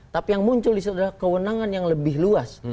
tapi yang muncul adalah keundangan yang lebih luas